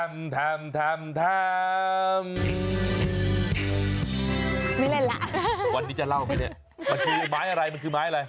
เล่นแล้ววันนี้จะเล่าไหมเนี่ยมันคือไม้อะไรมันคือไม้อะไร